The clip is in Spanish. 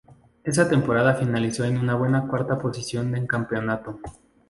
Esa temporada finalizó en una buena cuarta posición en campeonato.